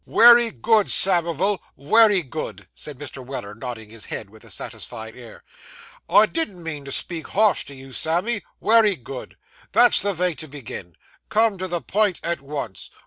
'Wery good, Samivel, wery good,' said Mr. Weller, nodding his head with a satisfied air, 'I didn't mean to speak harsh to you, Sammy. Wery good. That's the vay to begin. Come to the pint at once.